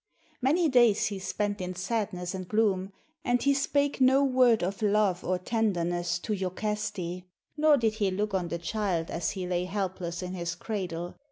Many days he spent in sadness and gloom, and he spake no word of love or tenderness to lokaste, nor did he look on the child as he lay helpless in his cradle.